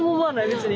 別に。